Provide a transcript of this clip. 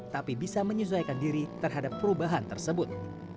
tapi bisa menyesuaikan diri terhadap perubahan tersebut